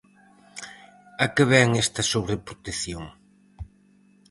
A que vén esta sobreprotección?